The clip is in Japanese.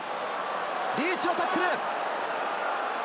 リーチのタックル。